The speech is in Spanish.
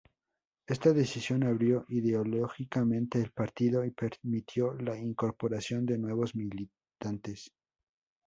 Esta decisión abrió ideológicamente el partido y permitió la incorporación de nuevos militantes.